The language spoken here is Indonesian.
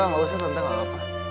gak usah tante gak apa apa